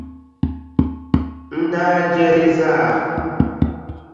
N daa je li zaa!